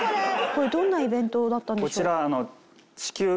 これどんなイベントだったんでしょう？